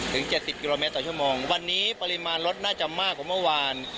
ถึงเจ็ดสิบกิโลเมตรต่อชั่วโมงวันนี้ปริมาณรถน่าจะมากกว่าเมื่อวาน